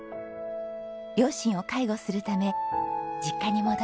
両親を介護するため実家に戻ります。